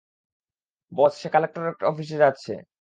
বস, সে কালেক্টরের অফিসে যাচ্ছে।